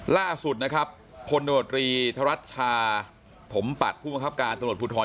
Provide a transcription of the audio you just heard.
ล่าสุดนะครับผลโดนโดนตรีธรรรชาผมปัดผู้มังคับการตลอดพุทธร